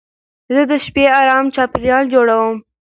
زه د شپې ارام چاپېریال جوړوم.